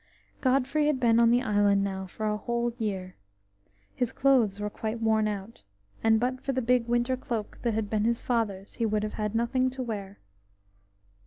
Godfrey had been on the island now for a whole year. His clothes were quite worn out, and but for the big winter cloak that had been his father's, he would have had nothing to wear.